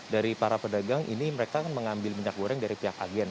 dari para pedagang ini mereka mengambil minyak goreng dari pihak agen